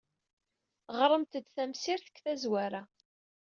Ɣremt-d tamsirt seg tazwara.